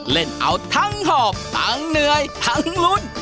เล่นเอาทั้งหอบทั้งเหนื่อยทั้งลุ้น